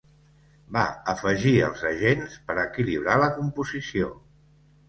Va afegir els agents per equilibrar la composició.